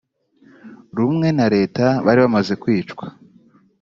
rumwe na leta bari bamaze kwicwa